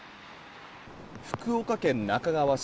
福岡県那珂川市